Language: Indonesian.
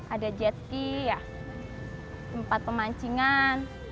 ada jet ski tempat pemancingan